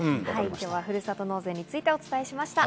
今日はふるさと納税についてお伝えしました。